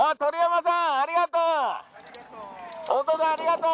ありがとう。